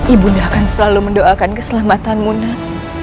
ibu bunda akan selalu mendoakan keselamatanmu nak